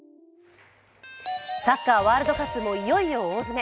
サッカーワールドカップもいよいよ大詰め。